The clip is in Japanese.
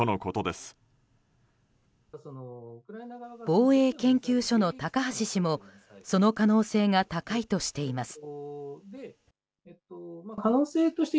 防衛研究所の高橋氏もその可能性が高いとしています。